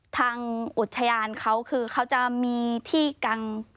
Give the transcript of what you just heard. ทางอุทยานเขาคือเขาจะมีที่กัง